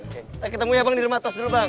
kita ketemunya bang di rumah tos dulu bang